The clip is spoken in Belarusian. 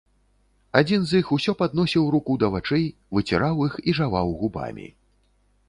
Адзін з іх усё падносіў руку да вачэй, выціраў іх і жаваў губамі.